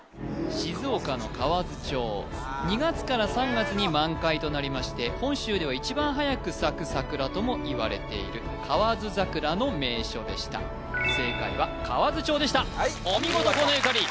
静岡の河津町２月から３月に満開となりまして本州では一番早く咲く桜ともいわれている河津桜の名所でした正解は河津町でしたお見事河野ゆかり